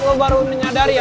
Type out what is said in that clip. lo baru menyadari ya